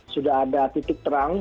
sudah ada titik terang